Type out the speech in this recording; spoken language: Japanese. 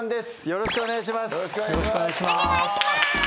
よろしくお願いします。